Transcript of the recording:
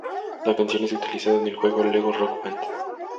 La canción es utilizada en el juego Lego Rock Band.